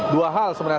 dua hal sebenarnya